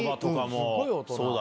すごい大人。